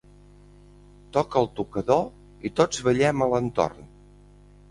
Toca el tocador i tots ballem a l'entorn.